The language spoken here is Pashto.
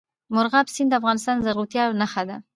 مورغاب سیند د افغانستان د زرغونتیا یوه نښه ده.